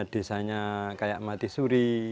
desanya kayak mati suri